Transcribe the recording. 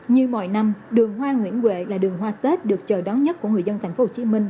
như mọi năm đường hoa nguyễn huệ là đường hoa tết được chờ đón nhất của người dân thành phố hồ chí minh